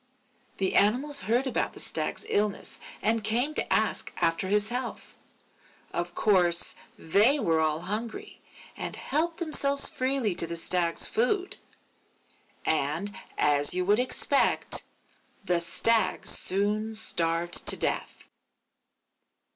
The Animals heard about the Stag's illness and came to ask after his health. Of course, they were all hungry, and helped themselves freely to the Stag's food; and as you would expect, the Stag soon starved to death.